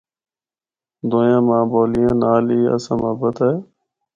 دوئیاں ماں بولیاں نال بی اساں محبت اے۔